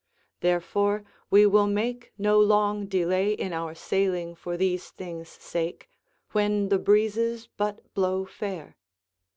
Therefore we will make no long delay in our sailing for these things' sake, when the breezes but blow fair.